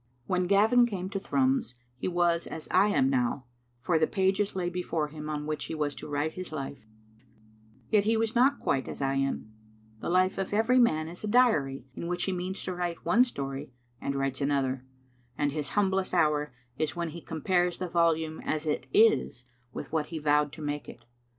When Gavin came to Thrums he was as I am now, for the pages lay before him on which he was to write Digitized by VjOOQ IC 4 TTbe I^tttie asinxaicv. his life. Yet he was not quite as I am. The life of every man is a diary in which he means to write one story, and writes another; and his humblest hour is when he compares the volume as it is with what he vowed to make it.